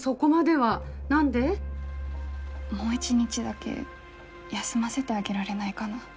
もう一日だけ休ませてあげられないかな。